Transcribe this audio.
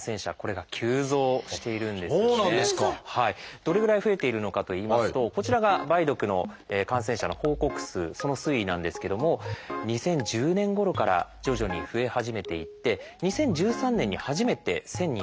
どれぐらい増えているのかといいますとこちらが梅毒の感染者の報告数その推移なんですけども２０１０年ごろから徐々に増え始めていって２０１３年に初めて１，０００人を超えました。